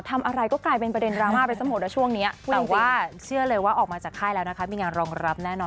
แต่ค่ายแล้วนะคะมีงานรองรับแน่นอน